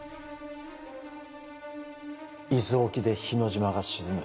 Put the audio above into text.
伊豆沖で日之島が沈む